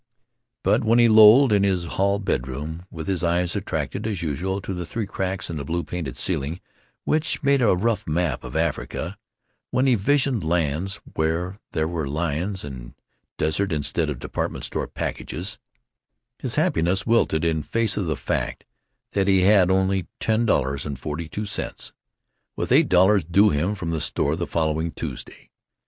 But when he lolled in his hall bedroom, with his eyes attracted, as usual, to the three cracks in the blue painted ceiling which made a rough map of Africa, when he visioned lands where there were lions and desert instead of department store packages, his happiness wilted in face of the fact that he had only $10.42, with $8.00 due him from the store the following Tuesday.